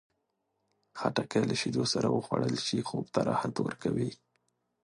خټکی له شیدو سره وخوړل شي، خوب ته راحت ورکوي.